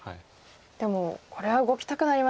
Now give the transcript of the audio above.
でもこれは動きたくなりますよね。